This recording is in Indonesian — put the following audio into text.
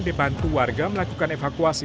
dibantu warga melakukan evakuasi